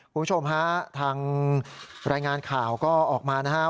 คุณผู้ชมฮะทางรายงานข่าวก็ออกมานะครับ